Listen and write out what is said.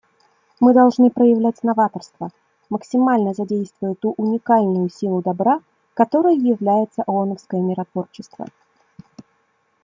Мы должны проявлять новаторство, максимально задействуя ту уникальную силу добра, которой является ооновское миротворчество.